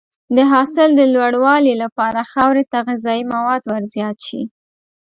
د حاصل د لوړوالي لپاره خاورې ته غذایي مواد ورزیات شي.